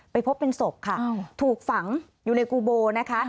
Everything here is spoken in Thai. พบเป็นศพค่ะถูกฝังอยู่ในกูโบนะคะ